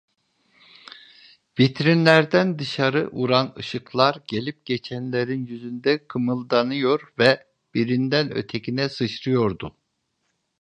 Vitrinlerden dışarı vuran ışıklar gelip geçenlerin yüzünde kımıldanıyor ve birinden ötekine sıçrıyordu.